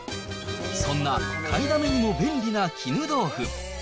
そんな買いだめにも便利な絹豆腐。